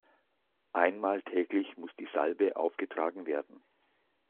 Einmal täglich muss die Salbe aufgetragen werden.